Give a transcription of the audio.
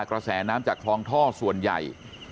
กระแสน้ำจากคลองท่อส่วนใหญ่